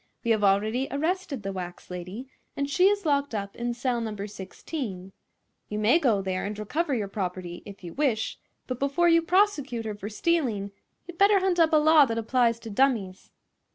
We have already arrested the wax lady, and she is locked up in cell No. 16. You may go there and recover your property, if you wish, but before you prosecute her for stealing you'd better hunt up a law that applies to dummies."